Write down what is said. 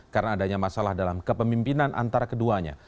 karena adanya masalah dalam kepemimpinan antara keduanya